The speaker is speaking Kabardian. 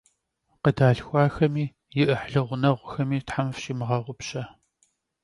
Khıdalhxuaxemi yi 'ıhlı ğuneğuxemi Them fşimığeğupşe.